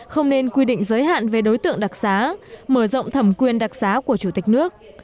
không nên quy định giới hạn về đối tượng đặc xá mở rộng thẩm quyền đặc xá của chủ tịch nước